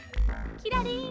キラリン！